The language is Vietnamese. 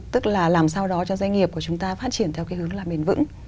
tức là làm sao đó cho doanh nghiệp của chúng ta phát triển theo cái hướng là bền vững